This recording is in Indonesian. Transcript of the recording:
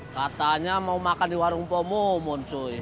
katanya mau makan di warung pomomon cuy